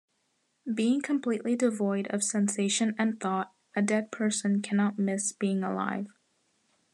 Being completely devoid of sensation and thought, a dead person cannot miss being alive.